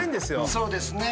そうですね。